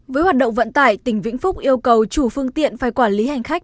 với hoạt động vận tải tỉnh vĩnh phúc yêu cầu chủ phương tiện phải quản lý hành khách